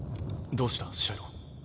どうしたシャイロ？